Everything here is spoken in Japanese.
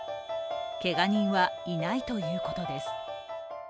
けが人は、いないということです。